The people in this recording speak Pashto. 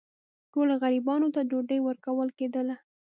ټولو غریبانو ته ډوډۍ ورکول کېدله.